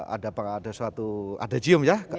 ada suatu ada cium ya